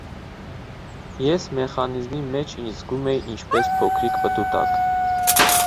«Ես մեխանիզմի մեջ ինձ զգում էի ինչպես փոքրիկ պտուտակ»։